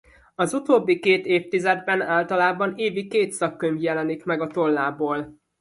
Az utóbbi két évtizedben általában évi két szakkönyv jelenik meg a tollából.